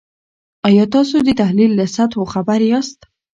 آیا تاسو د تحلیل له سطحو خبر یاست؟